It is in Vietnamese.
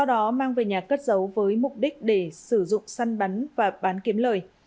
sau đó mang về nhà cất giấu với mục đích để sử dụng săn bắn và bán kiếm lời